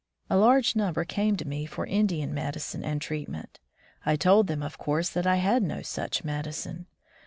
A large number came to me for Indian medi cine and treatment. I told them, of course, that I had no such medicine.